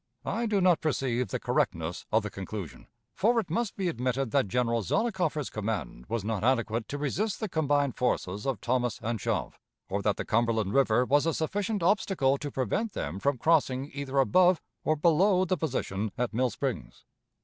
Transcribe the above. I do not perceive the correctness of the conclusion, for it must be admitted that General Zollicoffer's command was not adequate to resist the combined forces of Thomas and Schopf, or that the Cumberland River was a sufficient obstacle to prevent them from crossing either above or below the position at Mill Springs.